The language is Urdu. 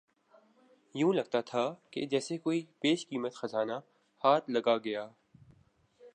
یوں لگتا تھا کہ جیسے کوئی بیش قیمت خزانہ ہاتھ لگا گیا